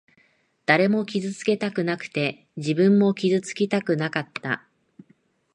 誰も傷つけたくなくて、自分も傷つきたくなかった。